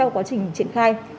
trong quá trình triển khai